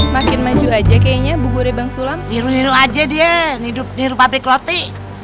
makin maju aja kayaknya bubuk rebang sulam biru biru aja dia hidup hidup pabrik roti